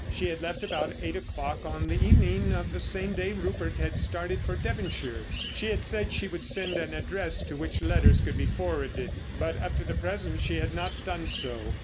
She had left about eight o'clock on the evening of the same day Rupert had started for Devonshire. She had said she would send an address to which letters could be forwarded, but up to the present she had not done so.